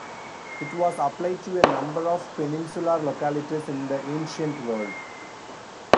It was applied to a number of peninsular localities in the ancient world.